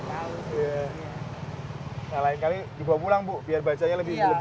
nah lain kali dibawa pulang bu biar bacanya lebih lebih